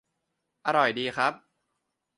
- อร่อยดีครับ